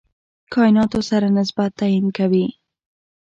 کایناتو سره نسبت تعیین کوي.